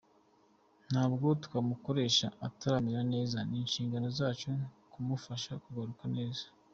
Ntabwo twamukoresha ataramera neza, ni inshingano zacu kumufasha kugaruka neza.